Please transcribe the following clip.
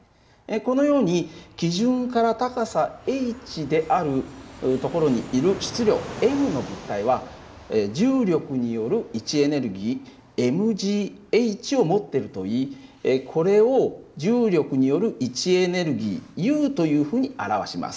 このように基準から高さｈである所にいる質量ｍの物体は重力による位置エネルギーｍｈを持ってるといいこれを重力による位置エネルギーＵというふうに表します。